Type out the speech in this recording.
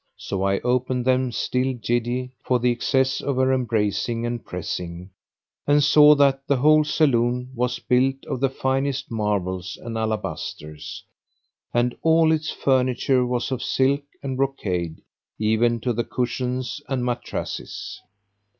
So I opened them still giddy for the excess of her embracing and pressing, and saw that the whole saloon was built of the finest marbles and alabasters, and all its furniture was of silk and brocade even to the cushions and mattresses.